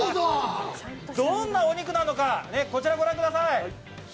どんな肉なのか、こちらをご覧ください。